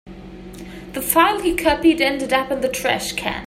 The file he copied ended up in the trash can.